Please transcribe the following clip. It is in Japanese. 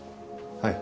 はい。